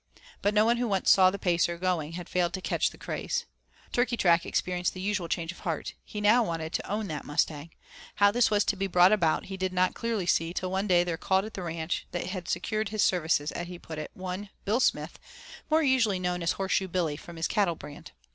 But no one who once saw the Pacer going had failed to catch the craze. Turkeytrack experienced the usual change of heart. He now wanted to own that mustang. How this was to be brought about he did not clearly see till one day there called at the ranch that had 'secured his services,' as he put it, one, Bill Smith, more usually known as Horseshoe Billy, from his cattle brand.